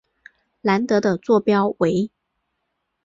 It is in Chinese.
兰德的座标为。